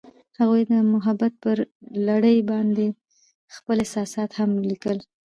هغوی د محبت پر لرګي باندې خپل احساسات هم لیکل.